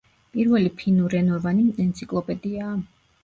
პირველი ფინურენოვანი ენციკლოპედიაა.